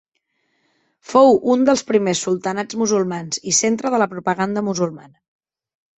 Fou un dels primers sultanats musulmans i centre de la propaganda musulmana.